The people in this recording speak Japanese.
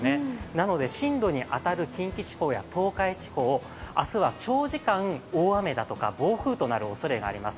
なので進路に当たる近畿地方は東海地方、明日は長時間、大雨や暴風となるおそれがあります。